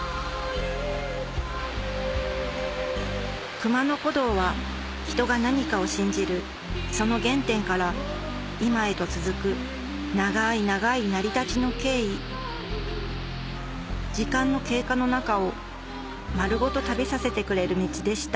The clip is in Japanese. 熊野古道は人が何かを信じるその原点から今へと続く長い長い成り立ちの経緯時間の経過の中を丸ごと旅させてくれる道でした